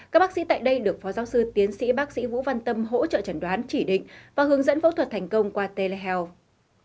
các bác sĩ tại đây được phó giáo sư tiến sĩ bác sĩ vũ văn tâm hỗ trợ trần đoán chỉ định và hướng dẫn phẫu thuật thành công qua telehealth